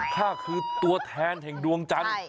อ๋อถ้าคือตัวแทนแห่งดวงจังใช่